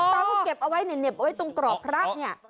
ตาก็เก็บเอาไว้เนี่ยเหน็บเอาไว้ตรงกรอบพระเนี่ย